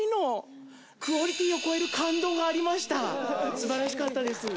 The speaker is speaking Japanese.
素晴らしかったです。